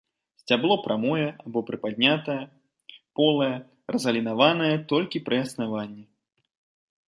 Сцябло прамое або прыпаднятае, полае, разгалінаванае толькі пры аснаванні.